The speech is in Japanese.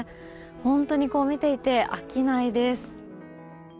本当に見ていて飽きないです。